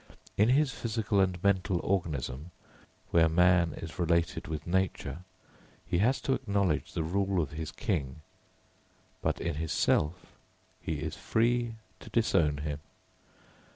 In his physical and mental organism, where man is related with nature, he has to acknowledge the rule of his King, but in his self he is free to disown him.